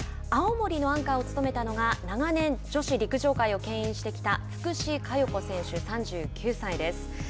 青森のアンカーを務めたのが長年、女子陸上界をけん引してきた福士加代子選手、３９歳です。